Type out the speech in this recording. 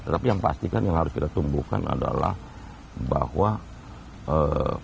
tapi yang pasti kan yang harus kita tumbuhkan adalah bahwa